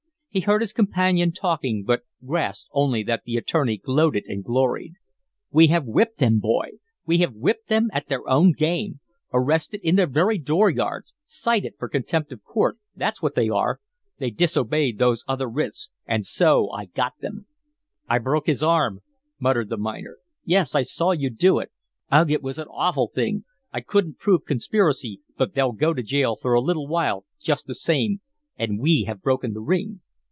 He heard his companion talking, but grasped only that the attorney gloated and gloried. "We have whipped them, boy. We have whipped them at their own game. Arrested in their very door yards cited for contempt of court that's what they are. They disobeyed those other writs, and so I got them." "I broke his arm," muttered the miner. "Yes, I saw you do it! Ugh! it was an awful thing. I couldn't prove conspiracy, but they'll go to jail for a little while just the same, and we have broken the ring."